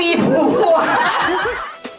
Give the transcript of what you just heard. อะไรมั้ยครับ